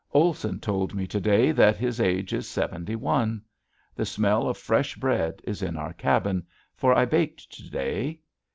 Olson told me to day that his age is seventy one. The smell of fresh bread is in our cabin, for I baked to day.